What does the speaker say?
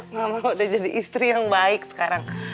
mama udah jadi istri yang baik sekarang